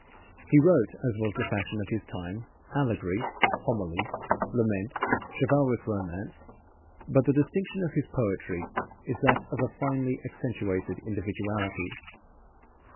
He wrote as was the fashion of his time, allegory, homily, lament, chivalric romance, but the distinction of his poetry is that of a finely accentuated individuality.